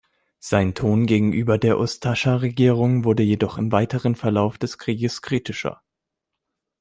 Sein Ton gegenüber der Ustascha-Regierung wurde jedoch im weiteren Verlauf des Krieges kritischer.